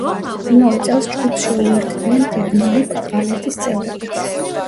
იმავე წელს ჯგუფს შეუერთდნენ „ბუბნოვი ვალეტის“ წევრებიც.